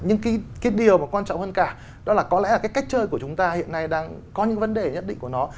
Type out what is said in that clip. nhưng cái điều mà quan trọng hơn cả đó là có lẽ là cái cách chơi của chúng ta hiện nay đang có những vấn đề nhất định của nó